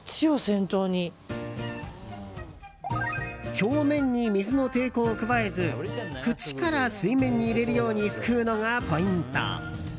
表面に水の抵抗を加えず縁から水面に入れるようにすくうのがポイント。